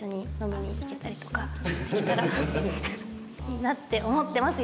いいなって思ってます。